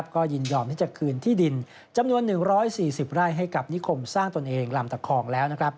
ก็ยินยอมที่จะคืนที่ดินจำนวน๑๔๐ไร่ให้กับนิคมสร้างตนเองลำตะคองแล้ว